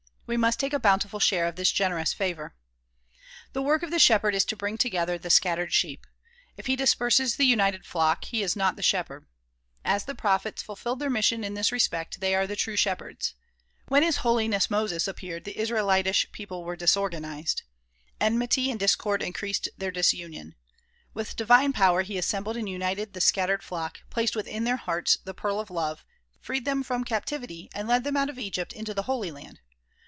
We must take a bountiful share of this generous favor. The work of the shepherd is to bring together the scattered sheep. If he disperses the united flock he is not the shepherd. As the prophets fulfilled their mission in this respect, they are the true shepherds. When His Holiness Moses appeared the Is raelitish people were disorganized. Enmity and discord increased their disunion. With divine power he assembled and united this scattered flock, placed within their hearts the pearl of love, freed them from captivity and led them out of Egypt into the Holy Land.